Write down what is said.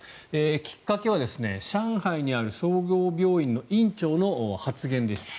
きっかけは上海にある総合病院の院長の発言でした。